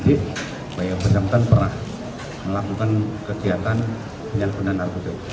jadi pak yusuf benamkan pernah melakukan kegiatan penyelenggaraan argojok